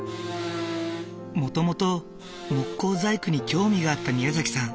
もともと木工細工に興味があったみやざきさん。